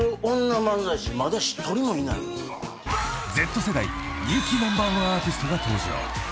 ［Ｚ世代人気ナンバーワンアーティストが登場］